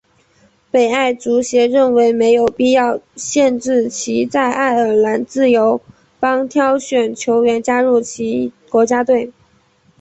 北爱足协认为没有必要限制其在爱尔兰自由邦挑选球员加入其国家队。